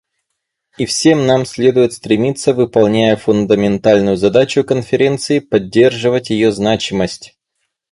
И всем нам следует стремиться, выполняя фундаментальную задачу Конференции, поддерживать ее значимость.